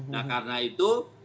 nah karena itu